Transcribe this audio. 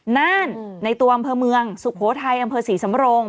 น่านในตัวอำเภอเมืองสุโขทัยอำเภอศรีสำโรง